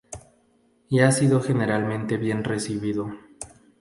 Y ha sido generalmente bien recibido.